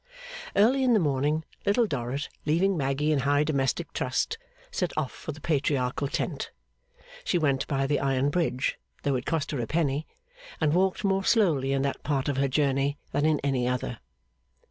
Early in the morning, Little Dorrit, leaving Maggy in high domestic trust, set off for the Patriarchal tent. She went by the Iron Bridge, though it cost her a penny, and walked more slowly in that part of her journey than in any other.